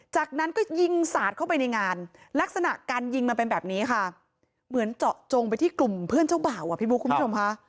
จากนั้นก็ยิงสาดเข้าไปในงานลักษณะการยิงมันเป็นแบบนี้ค่ะเหมือนเจาะจงไปที่กลุ่มเพื่อนเจ้าบ่าวอ่ะพี่บุ๊คคุณผู้ชมค่ะ